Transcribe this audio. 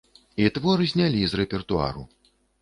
І твор знялі з рэпертуару.